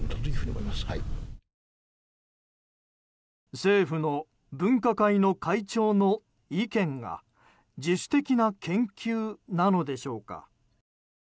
政府の分科会の会長の意見が自主的な研究なのでしょうか。